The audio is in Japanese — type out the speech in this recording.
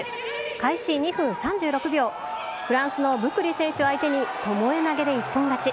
開始２分３６秒、フランスのブクリ選手を相手にともえ投げで一本勝ち。